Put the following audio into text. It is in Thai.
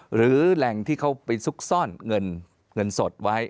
หรือแหล่งที่เขาไปซุกซ่อนเงินแสดใส